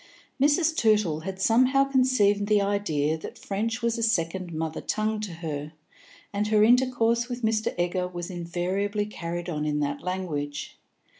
Mrs. Tootle had somehow conceived the idea that French was a second mother tongue to her, and her intercourse with Mr. Egger was invariably carried on in that language.